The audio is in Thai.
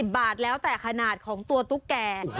บาทแล้วแต่ขนาดของตัวตุ๊กแก่